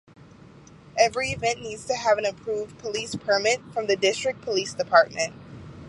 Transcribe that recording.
Every event needs to have an approved police permit from the district police department.